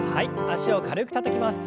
脚を軽くたたきます。